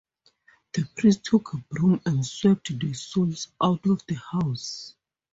The priest took a broom and swept the souls out of the house.